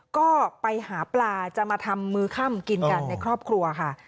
ก็ไปหาปลาจะมาทำมือค่ำกินกันในครอบครัวค่ะ